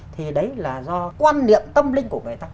thì đấy là do quan niệm tâm linh của người ta